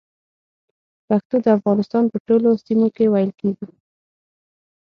پښتو د افغانستان په ټولو سيمو کې ویل کېږي